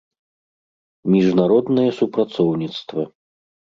Мiжнароднае супрацоўнiцтва